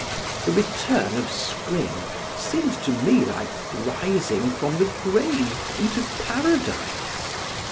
The return of spring seemed to me like rising from the grave into paradise.